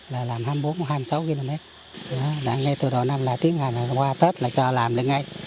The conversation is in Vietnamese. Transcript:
là làm hai mươi bốn hai mươi sáu km ngay từ đầu năm là tiến hành qua tết là cho làm được ngay